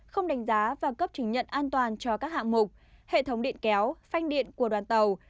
không đánh giá và cấp chứng nhận an toàn cho các hạng mục hệ thống điện kéo phanh điện của đoàn tàu